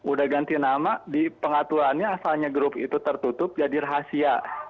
udah ganti nama di pengaturannya asalnya grup itu tertutup jadi rahasia